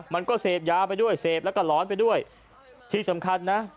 มันก็เสพยาไปด้วยเสพแล้วก็หลอนไปด้วยที่สำคัญนะ